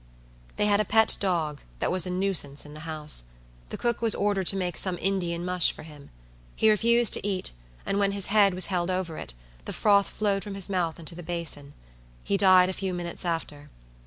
They had a pet dog, that was a nuisance in the house. The cook was ordered to make some Indian mush for him. He refused to eat, and when his head was held over it, the froth flowed from his mouth into the basin. He died a few minutes after.